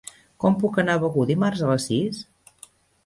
Com puc anar a Begur dimarts a les sis?